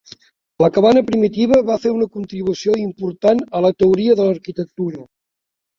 La cabana primitiva va fer una contribució important a la teoria de l'arquitectura.